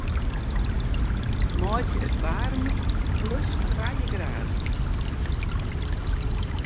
Meitsje it waarmer plus trije graden.